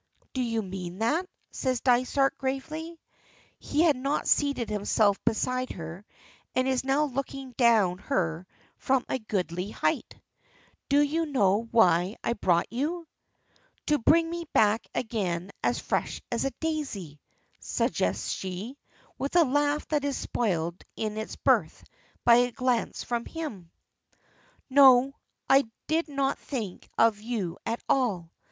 "Do you mean that?" says Dysart, gravely. He had not seated himself beside her, and is now looking down her from a goodly height. "Do you know why I brought you?" "To bring me back again as fresh as a daisy," suggests she, with a laugh that is spoiled in its birth by a glance from him. "No, I did not think of you at all.